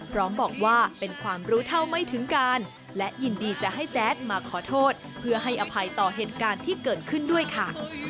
พร้อมบอกว่าเป็นความรู้เท่าไม่ถึงการและยินดีจะให้แจ๊ดมาขอโทษเพื่อให้อภัยต่อเหตุการณ์ที่เกิดขึ้นด้วยค่ะ